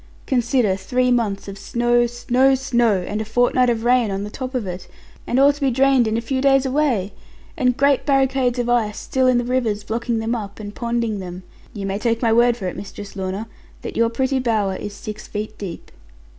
Consider three months of snow, snow, snow, and a fortnight of rain on the top of it, and all to be drained in a few days away! And great barricades of ice still in the rivers blocking them up, and ponding them. You may take my word for it, Mistress Lorna, that your pretty bower is six feet deep.'